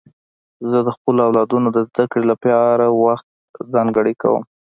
زه د خپلو اولادونو د زدهکړې لپاره وخت ځانګړی کوم.